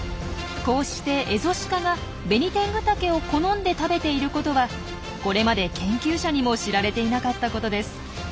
こうしてエゾシカがベニテングタケを好んで食べていることはこれまで研究者にも知られていなかったことです。